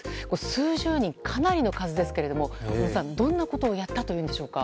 数十人、かなりの数ですが小野さん、どんなことをやったというんでしょうか。